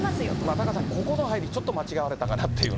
タカさん、ここの入り、ちょっと間違われたかなと。